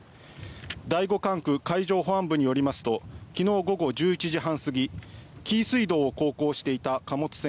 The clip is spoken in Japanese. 第五管区海上保安本部によりますと昨日午後１１時半過ぎ紀伊水道を航行していた貨物船